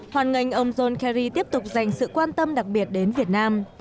hoàn ngành ông john kerry tiếp tục dành sự quan tâm đặc biệt đến việt nam